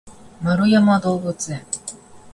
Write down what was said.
円山動物園